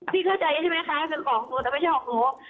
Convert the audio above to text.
พี่เข้าใจใช่ไหมคะเป็นกล่องของหนูแต่ไม่ใช่ของหนู